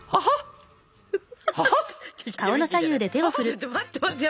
ちょっと待って待って。